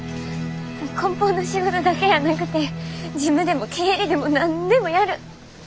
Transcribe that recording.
こん包の仕事だけやなくて事務でも経理でも何でもやる。